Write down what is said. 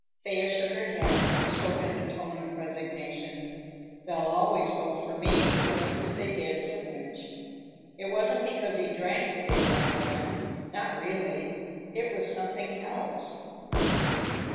Thea shook her head and spoke in a tone of resignation. "They'll always go for me, just as they did for Wunsch. It wasn't because he drank they went for him; not really. It was something else."